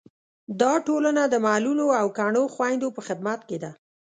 دا ټولنه د معلولو او کڼو خویندو په خدمت کې ده.